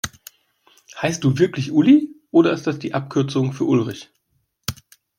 Heißt du wirklich Uli, oder ist das die Abkürzung für Ulrich?